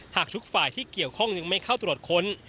หากทุกฝ่ายที่เกี่ยวข้องยังไม่เข้าตรวจค้น